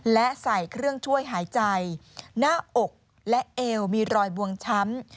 และใส่เครื่องช่วยหายใจหน้าอกและเอวมีรอยบวมช้ำ